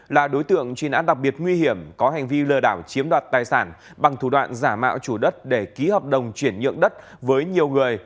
là đối tượng truy nãn đặc biệt nguy hiểm có hành vi lừa đảo chiếm đoạt tài sản bằng thủ đoạn giả mạo chủ đất để ký hợp đồng chuyển nhượng đất với nhiều người